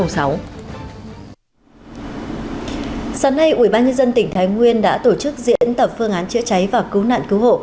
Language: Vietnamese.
sáng nay ubnd tỉnh thái nguyên đã tổ chức diễn tập phương án chữa cháy và cứu nạn cứu hộ